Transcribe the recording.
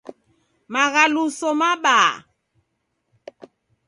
Maghaluso mabaa.